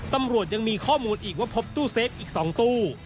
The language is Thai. ตำรวจยังมีข้อมูลอีกว่าพบตู้เซฟอีก๒ตู้